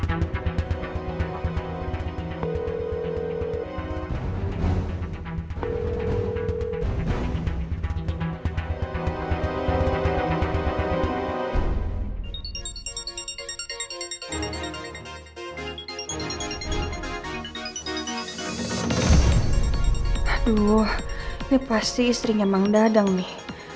aduh ini pasti istrinya emang dadang nih